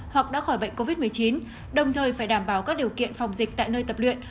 hoặc đã khỏi bệnh covid một mươi chín đồng thời phải đảm bảo các điều kiện phòng dịch tại nơi tập luyện